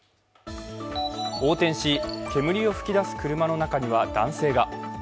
横転し、煙を噴き出す車の中には男性が。